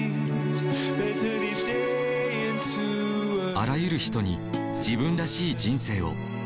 あらゆる人に自分らしい人生を。